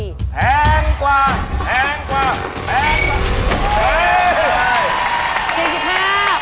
แพงกว่าแพงกว่าแพงกว่าแพง